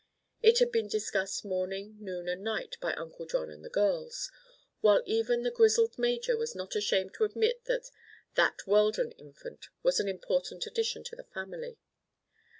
It had been discussed morning, noon and night by Uncle John and the girls, while even the grizzled major was not ashamed to admit that "that Weldon infant" was an important addition to the family.